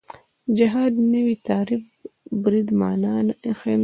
جهاد نوی تعریف برید معنا ښندله